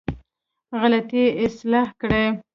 غلطي اصلاح کړې.